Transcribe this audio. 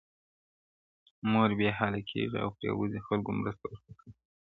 مور بې حاله کيږي او پرېوځي خلکو مرسته ورته کوي,